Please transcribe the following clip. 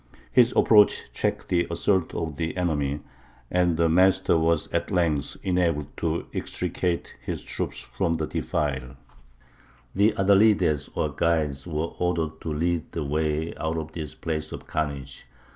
His approach checked the assaults of the enemy, and the master was at length enabled to extricate his troops from the defile.... "The Adalides, or guides, were ordered to lead the way out of this place of carnage.